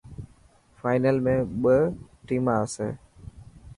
فانل ۾ ٻه ٽيما آسي.